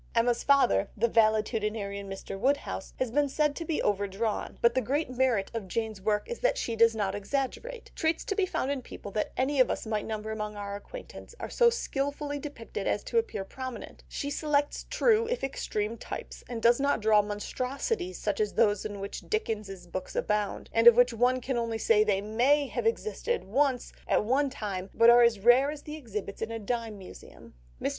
Emma's father, the valetudinarian Mr. Woodhouse, has been said to be overdrawn, but the great merit of Jane's work is that she does not exaggerate; traits to be found in people that any of us might number among our acquaintance are so skilfully depicted as to appear prominent; she selects true if extreme types, and does not draw monstrosities such as those in which Dickens's books abound, and of which one can only say they may have existed, once, at one time, but are as rare as the exhibits in a dime museum. Mr.